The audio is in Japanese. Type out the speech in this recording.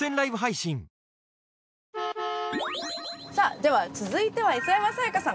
では続いては磯山さやかさん。